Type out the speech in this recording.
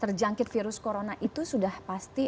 terjangkit virus corona itu sudah pasti